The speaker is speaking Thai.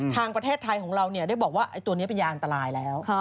ทางประเทศไทยของเราได้บอกว่าตัวนี้เป็นยาอันตรายแล้ว